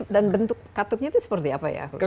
dan bentuk katupnya itu seperti apa ya